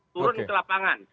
turun ke lapangan